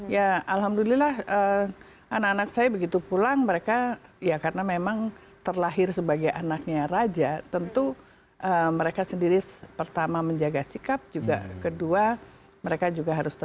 ya alhamdulillah anak anak saya begitu pulang mereka ya karena memang terlahir sebagai anaknya raja tentu mereka sendiri pertama menjaga sikap juga kedua mereka juga harus tetap